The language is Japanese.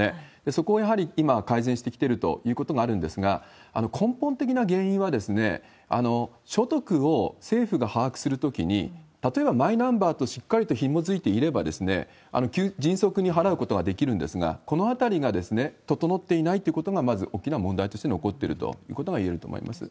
そこをやはり今、改善してきてるということがあるんですが、根本的な原因は、所得を政府が把握するときに、例えばマイナンバーとしっかりとひもづいていれば、迅速に払うことができるんですが、このあたりが整っていないということが、まず大きな問題として残ってるということがいえると思います。